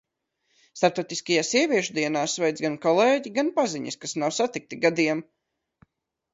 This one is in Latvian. Starptautiskajā sieviešu dienā sveic gan kolēģi, gan paziņas, kas nav satikti gadiem.